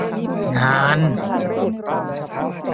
งาน